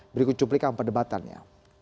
berikut cuplikan perdebatannya